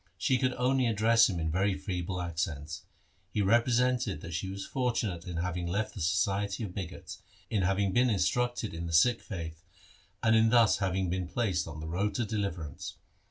She could only address him in very feeble accents. He represented that she was fortunate in having left the society of bigots, in having been instructed in the Sikh faith, and in thus having been placed on the road to deliverance.